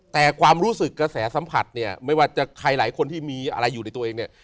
แต่ความรู้สึกกระแสสัมผัสเนี่ยไม่ว่าจะใครหลายคนที่มีอะไรอยู่ในตัวเองเนี่ย